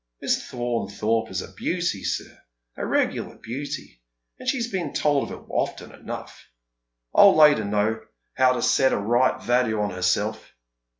Miss Faunthorpe is a beauty, Bir — a regular beauty ; and she's been told of it often enougli, I'll lay, to know how to set a right value on herself.